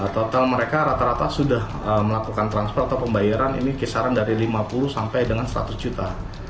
total mereka rata rata sudah melakukan transfer atau pembayaran ini kisaran dari lima puluh sampai dengan seratus juta